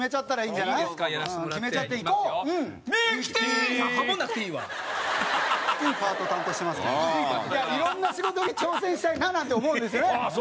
いやいろんな仕事に挑戦したいななんて思うんですよね。